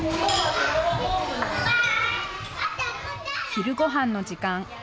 昼ごはんの時間。